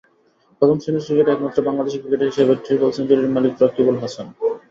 প্রথম শ্রেণীর ক্রিকেটে একমাত্র বাংলাদেশি ক্রিকেটার হিসেবে ট্রিপল সেঞ্চুরির মালিক রকিবুল হাসান।